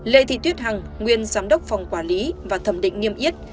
lê thị tuyết hằng nguyên giám đốc phòng quản lý và thẩm định nghiêm yết